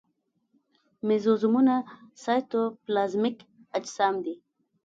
مېزوزومونه سایتوپلازمیک اجسام دي.